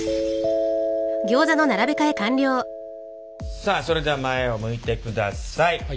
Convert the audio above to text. さあそれでは前を向いてください。